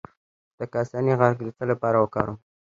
د کاسني عرق د څه لپاره وکاروم؟